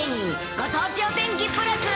ご当地お天気プラス。